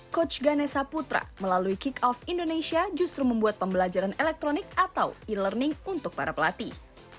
coach ganesha putra melalui kick off indonesia justru membuat pembelajaran elektronik atau e learning untuk para pelatih